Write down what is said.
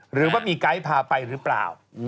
หรือว่ามีไกด์พาไปหรือเปล่า